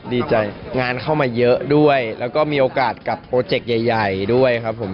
ดีใจงานเข้ามาเยอะด้วยแล้วก็มีโอกาสกับโปรเจกต์ใหญ่ด้วยครับผม